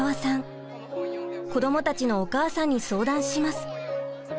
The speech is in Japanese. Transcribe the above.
子どもたちのお母さんに相談します。